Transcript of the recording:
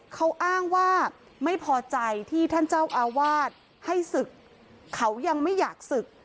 เขาอ้างว่าไม่พอใจที่ท่านเจ้าอาวาสให้ศึกเขายังไม่อยากศึก